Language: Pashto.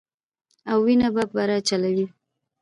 او وينه به بره چليږي